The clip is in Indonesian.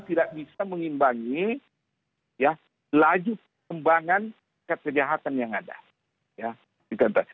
tidak bisa mengimbangi laju kembangan kejahatan yang ada